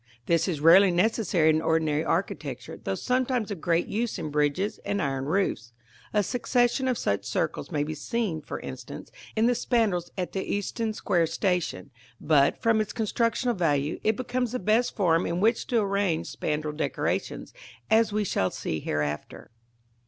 This is rarely necessary in ordinary architecture, though sometimes of great use in bridges and iron roofs (a succession of such circles may be seen, for instance, in the spandrils at the Euston Square station); but, from its constructional value, it becomes the best form in which to arrange spandril decorations, as we shall see hereafter.